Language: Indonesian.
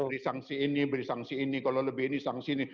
beri sanksi ini beri sanksi ini kalau lebih ini sanksi ini